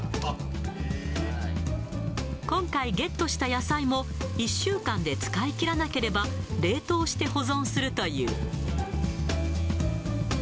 今回ゲットした野菜も、１週間で使いきらなければ、冷凍して保存するという。